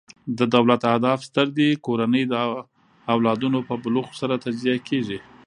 د دولت اهداف ستر دي؛ کورنۍ د او لادونو په بلوغ سره تجزیه کیږي.